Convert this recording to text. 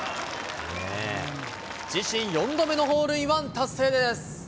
自身４度目のホールインワン達成です。